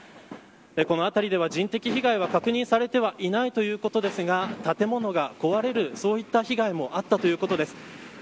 この辺りでは、人的被害は確認されていないということですが建物が壊れる、そういった被害もあったということです。